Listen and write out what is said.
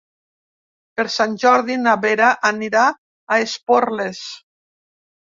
Per Sant Jordi na Vera anirà a Esporles.